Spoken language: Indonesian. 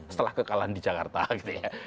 setelah kekalahan di jakarta gitu ya